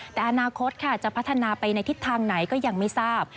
แต่อนาคตค่ะจะพัฒนาไปในทิศทางไหนก็ยังไม่ทราบ